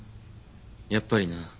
やっぱりな。